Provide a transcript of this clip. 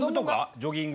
ジョギング。